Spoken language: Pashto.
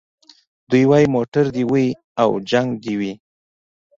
دی وايي موټر دي وي او جنګ دي وي